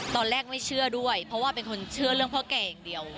ตอนแรกไม่เชื่อด้วยเพราะว่าเป็นคนเชื่อเรื่องพ่อแก่อย่างเดียว